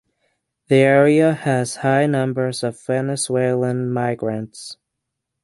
The area also has high numbers of Venezuelan migrants.